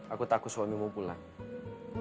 aku takut suamimu pulang